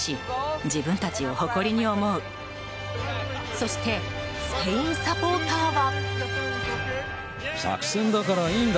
そしてスペインサポーターは。